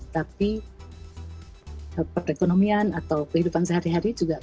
tapi perekonomian atau kehidupan sehari hari juga